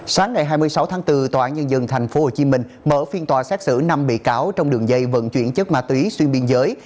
sáng ngày hai mươi sáu tháng bốn tòa án nhân dân tp hcm mở phiên tòa xét xử năm bị cáo trong đường dây vận chuyển chất ma túy xuyên biên giới